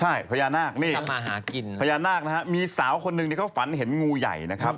ใช่พญานาคนี่พญานาคนะฮะมีสาวคนหนึ่งที่เขาฝันเห็นงูใหญ่นะครับ